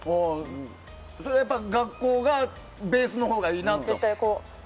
それは学校がベースのほうがいいなと？